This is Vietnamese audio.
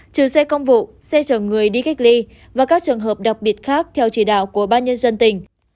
trừ xe công vụ xe chở người đi cách ly và các trường hợp đặc biệt khác theo chỉ đạo của ban nhân dân tỉnh